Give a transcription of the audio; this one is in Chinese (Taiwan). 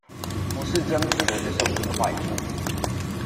不是真皮的就是有這個壞處！